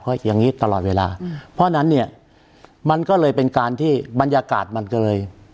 เพราะอย่างงี้ตลอดเวลาอืมเพราะฉะนั้นเนี่ยมันก็เลยเป็นการที่บรรยากาศมันก็เลย